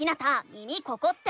「耳ここ⁉」って。